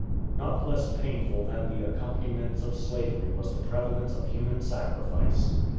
Not less painful than the accompaniments of slavery was the prevalence of human sacrifice.